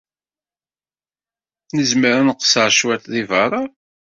Nezmer ad nqeṣṣer cwiṭ deg beṛṛa?